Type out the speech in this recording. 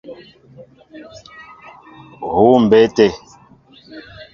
Huu mbé te.